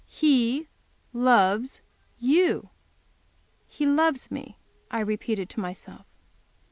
He loves you." "He loves me," I repeated to myself.